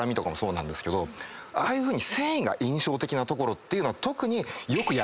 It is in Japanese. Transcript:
ああいうふうに。